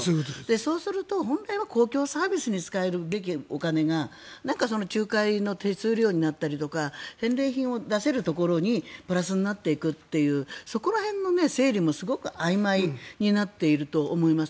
そうすると、本来公共サービスに使うべきお金が仲介の手数料になったりとか返礼品を出せるところにプラスになっていくというそこら辺の整理もすごくあいまいになっていると思います。